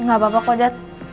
nggak apa apa kok dad